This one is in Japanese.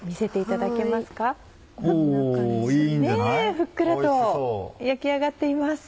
ふっくらと焼き上がっています。